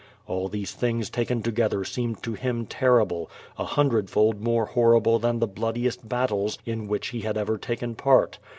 All these things taken together seemed to him terrible, a hundredfold more horrible than the blood iest battles in which he had ever taken part.